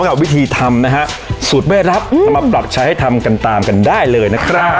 กับวิธีทำนะฮะสูตรไม่รับเรามาปรับใช้ให้ทำกันตามกันได้เลยนะครับ